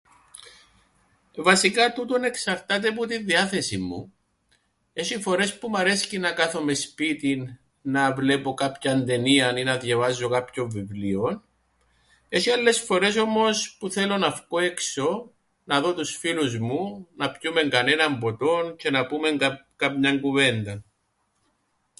Βασικά τούτον εξαρτάται που την διάθεσην μου. Έσ̆ει φορές που μ' αρέσκει να κάθομαι σπίτιν να βλέπω κάποιαν ταινίαν ή να διαβάζω κάποιον βιβλίον, έσ̆ει άλλες φορές όμως που θέλω να φκω έξω να δω τους φίλους μου, να πιούμεν κανέναν ποτόν τζ̆αι να πούμεν... καμιάν κουβένταν.